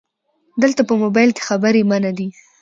📵 دلته په مبایل کې خبري منع دي